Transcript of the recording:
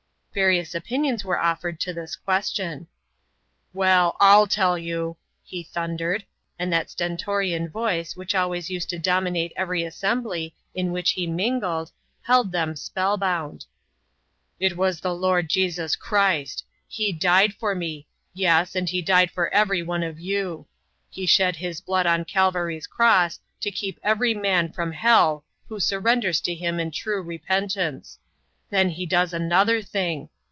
Various opinions were offered to this question. "Well, I'll tell you!" he thundered, and that stentorian voice which always used to dominate every assembly in which he mingled, held them spellbound! "It was the Lord Jesus Christ. He died for me yes, and He died for every one of you. He shed His blood on Calvary's cross to keep every man from hell who surrenders to Him in true repentance. Then He does another thing!